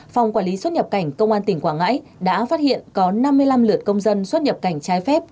phòng quản lý xuất nhập cảnh công an tỉnh quảng ngãi đã phát hiện có năm mươi năm lượt công dân xuất nhập cảnh trái phép